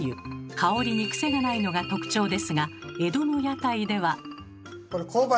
香りにクセがないのが特徴ですが江戸の屋台では。